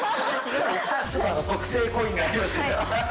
特製コインがありまして。